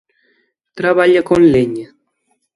Traballa con leña?